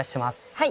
はい。